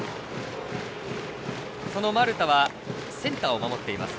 その丸田はセンターを守っています。